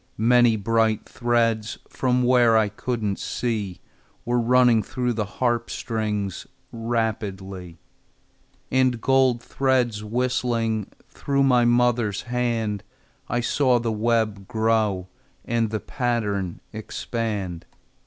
Many bright threads, From where I couldn't see, Were running through the harp strings Rapidly, And gold threads whistling Through my mother's hand. I saw the web grow, And the pattern expand.